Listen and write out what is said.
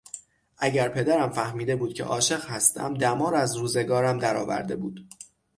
اگر پدرم فهمیده بود که عاشق هستم دمار از روزگارم در آورده بود.